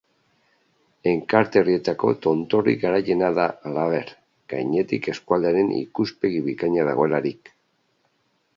Enkarterrietako tontorrik garaiena da halaber, gainetik eskualdearen ikuspegi bikaina dagoelarik.